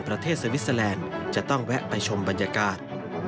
ประเทศเซวิสเซอแลนด์จะต้องแวะไปชมบรรยากาศ